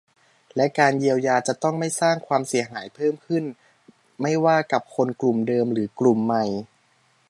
และการเยียวยาจะต้องไม่สร้างความเสียหายเพิ่มขึ้น ไม่ว่ากับคนกลุ่มเดิมหรือกลุ่มใหม่